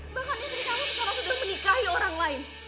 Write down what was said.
bahkan istri kamu sudah menikahi orang lain